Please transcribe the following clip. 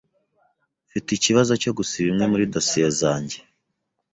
Mfite ikibazo cyo gusiba imwe muri dosiye zanjye.